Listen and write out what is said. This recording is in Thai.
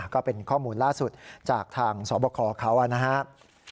ก็เป็นข้อมูลล่าสุดจากทางสบคเขานะครับ